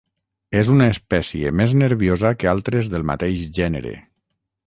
És una espècie més nerviosa que altres del mateix gènere.